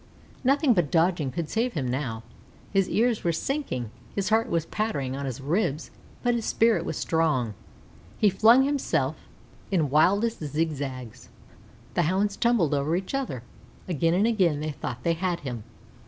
Nothing but dodging could save him now. His ears were sinking, his heart was pattering on his ribs, but his spirit was strong. He flung himself in wildest zigzags. The Hounds tumbled over each other. Again and again they thought they had him.